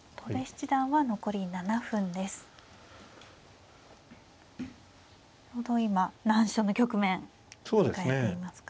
ちょうど今難所の局面迎えていますか。